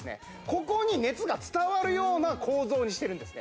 ここに熱が伝わるような構造にしてるんですね